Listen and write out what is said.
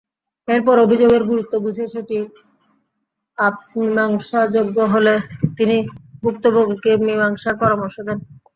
এরপর অভিযোগের গুরুত্ব বুঝে সেটি আপস-মীমাংসাযোগ্য হলে তিনি ভুক্তভোগীকে মীমাংসার পরামর্শ দেন।